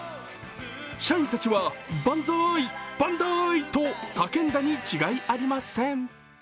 社員たちはバンザーイ、バンダーイと叫んだに違いありません。